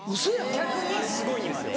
逆にすごいんですよ。